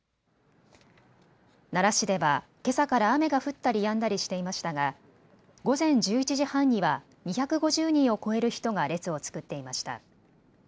奈良市では、けさから雨が降ったりやんだりしていましたが、午前１１時半には２５０人を超える人が列を作っていました。